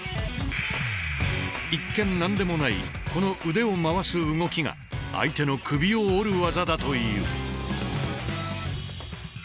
一見何でもないこの腕を回す動きが相手の首を折る技だという。